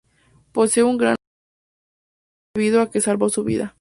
Posee un gran aprecio por Glenn debido a que salvo su vida.